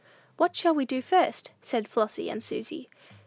"What shall we do first?" said Flossy and Susy.